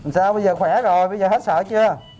sao bây giờ khỏe rồi bây giờ hết sợ chưa